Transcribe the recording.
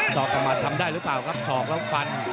อกกลับมาทำได้หรือเปล่าครับศอกแล้วฟัน